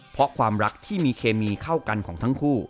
เพราะความรักที่มีเคมีเข้ากันของทั้งคู่